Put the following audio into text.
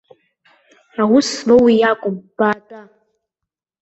Аус злоу уи акәым, баатәа.